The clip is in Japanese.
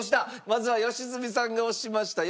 まずは良純さんが押しました。